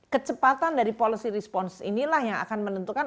kecepatan dari policy response inilah yang akan menentukan